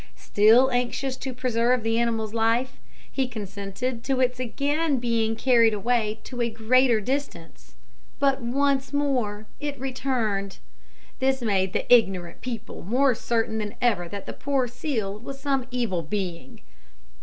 Still anxious to preserve the animal's life, he consented to its being again carried away to a greater distance; but once more it returned. This made the ignorant people more certain than ever that the poor seal was some evil being.